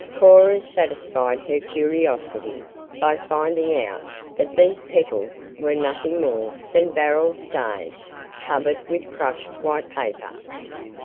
Cora satisfied her curiosity by finding out that these petals were nothing more than barrel staves covered with crushed white paper.